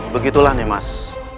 begitulah nih mas